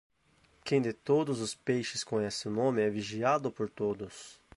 Quem de todos os peixes conhece o nome, é vigiado por todos.